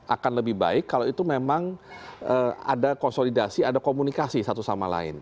akan lebih baik kalau itu memang ada konsolidasi ada komunikasi satu sama lain